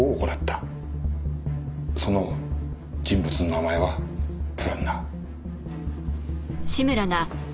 その人物の名前はプランナー。